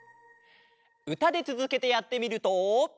うたでつづけてやってみると。